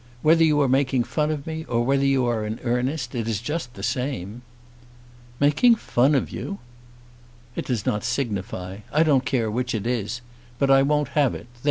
Whether you are making fun of me, or whether you are in earnest, it is just the same." "Making fun of you!" "It does not signify. I don't care which it is. But I won't have it.